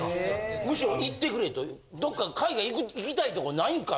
むしろ行ってくれとどっか海外行きたいとこないんか？